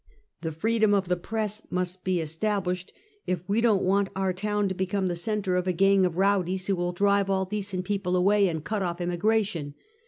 The freedom of the press must be established if we do not want our city to become the center of a Speak in Ptjblio. 185 gang of rowdies who will drive all decent people away and cut off immigration.